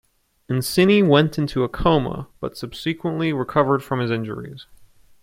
Uncini went into a coma but, subsequently recovered from his injuries.